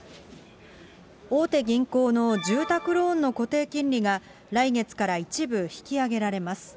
大手銀行の住宅ローンの固定金利が、来月から一部引き上げられます。